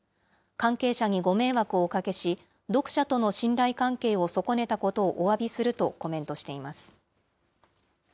関係者にご迷惑をおかけし、読者との信頼関係を損ねたことをおわびするとコメントしています。